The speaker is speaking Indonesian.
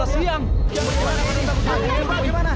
jangan lupa kita harus berhenti